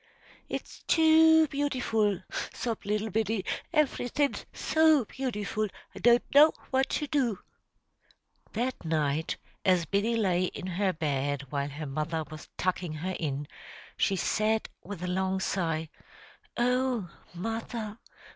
"It's too beautiful!" sobbed little Biddy. "Everythin's so beautiful, I don't know what to do.'" That night, as Biddy lay in her bed, while her mother was tucking her in, she said, with a long sigh, "Oh, mother!